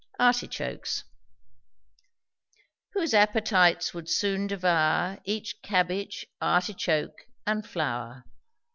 ARTICHOKES. Whose appetites would soon devour Each cabbage, artichoke, and flower.